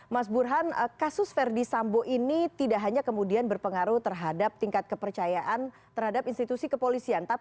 mamoto dianggap tidak netra